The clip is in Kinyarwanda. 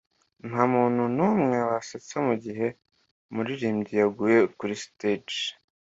Ntamuntu numwe wasetsa mugihe umuririmbyi yaguye kuri stage